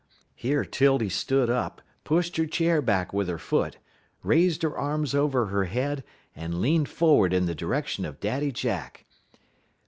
Here 'Tildy stood up, pushed her chair back with her foot, raised her arms over her head, and leaned forward in the direction of Daddy Jack.